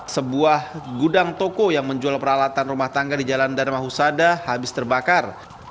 sebuah gudang toko yang menjual peralatan rumah tangga di jalan dharma husada habis terbakar